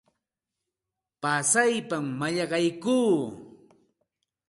Pasaypam mallaqaykuu.